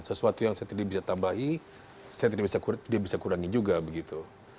sesuatu yang saya tidak bisa tambahi saya tidak bisa kurangi juga begitu